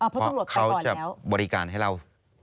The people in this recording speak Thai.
เพราะเขาจะบริการให้เรา